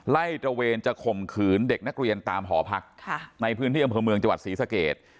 ตระเวนจะข่มขืนเด็กนักเรียนตามหอพักในพื้นที่อำเภอเมืองจังหวัดศรีสเกต